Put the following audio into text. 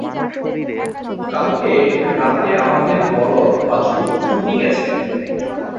কালকে রাতে আমাদের বলদ বাছুর চুরি গেছে।